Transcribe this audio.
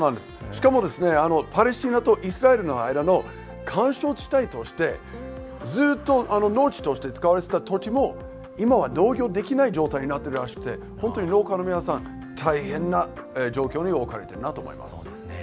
しかも、パレスチナとイスラエルの間の緩衝地帯として、ずっと農地として使われていた土地も今は農業できない状態になっているらしくて本当に農家の皆さん大変な状況に置かれてるなと思います。